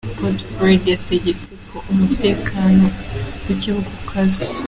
Godefroid yategetse ko umutekano w’ikibuga ukazwa.